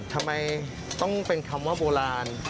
ทำไมต้องเป็นคำว่าโบราณ